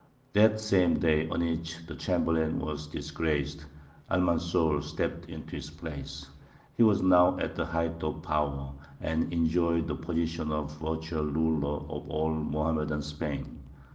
That same day on which the chamberlain was disgraced, Almanzor stepped into his place. He was now at the height of power, and enjoyed the position of virtual ruler of all Mohammedan Spain.